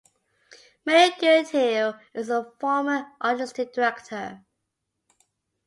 Mary Goodhew is a former Artistic Director.